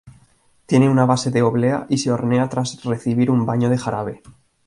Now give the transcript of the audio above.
Tiene una base de oblea y se hornea tras recibir un baño de jarabe.